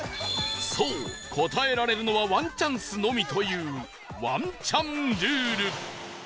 そう答えられるのはワンチャンスのみというワンチャンルール